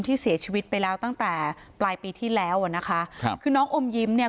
ที่เสียชีวิตไปแล้วตั้งแต่ปลายปีที่แล้วอ่ะนะคะครับคือน้องอมยิ้มเนี่ย